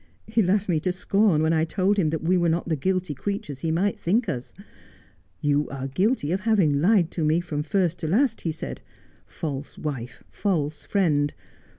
He laughed me to scorn when I told him that we were not the guilty creatures he might think us.' " You are guilty of having lied to me from first to last," he said, "false wife, false friend.